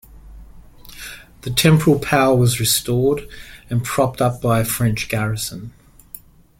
The temporal power was restored and propped up by a French garrison.